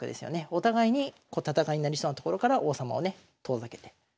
お互いに戦いになりそうなところから王様をね遠ざけていってますよね。